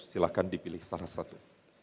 silahkan dipilih salah satu